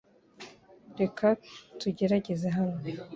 Reka tugerageze hano .